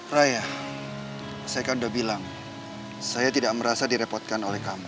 raya saya kan udah bilang saya tidak merasa direpotkan oleh kamu